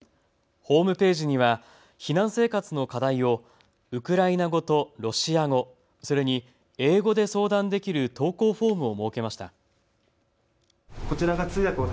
ホームページには避難生活の課題をウクライナ語とロシア語、それに英語で相談できる投稿フォームを設けました。